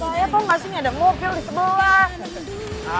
saya tau nggak sih ini ada mobil di sebelah